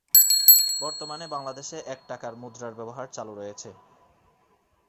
বর্তমানে বাংলাদেশে এক টাকার মুদ্রার ব্যবহার চালু রয়েছে।